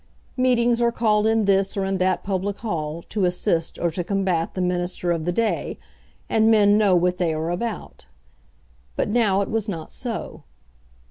Meetings are called in this or in that public hall to assist or to combat the Minister of the day, and men know what they are about. But now it was not so.